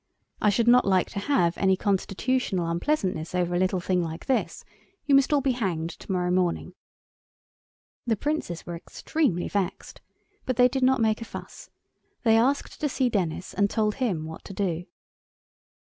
I should not like to have any constitutional unpleasantness over a little thing like this; you must all be hanged to morrow morning." The Princes were extremely vexed, but they did not make a fuss. They asked to see Denis, and told him what to do.